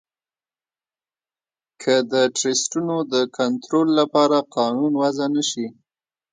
که د ټرسټونو د کنترول لپاره قانون وضعه نه شي